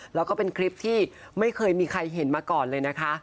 แล้วก็เป็นคลิปที่ไม่เคยมีใครเห็นมาก่อนเลยนะคะ